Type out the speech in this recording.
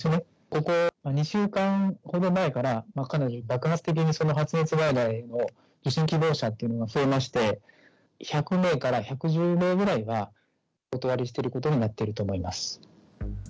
ここ２週間ほど前から、かなり爆発的に発熱外来の受診希望者というのが増えまして、１００名から１１０名ぐらいはお断りしていることになっていると思います。